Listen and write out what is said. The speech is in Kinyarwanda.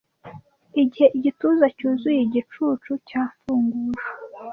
igihe igituza cyuzuye igicucu cyafunguye